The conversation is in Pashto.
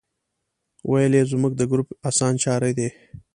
ویل یې زموږ د ګروپ اسانچاری دی.